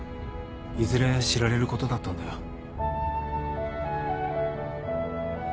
いずれ知られることだったんだよ。